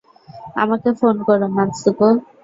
আমাকে ফোন করো, মাতসুকো!